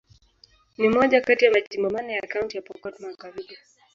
Ni moja kati ya majimbo manne ya Kaunti ya Pokot Magharibi.